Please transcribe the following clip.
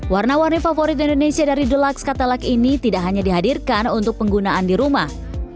warna warni favorit indonesia dari deluxe catelak ini tidak hanya dihadirkan untuk penggunaan di rumah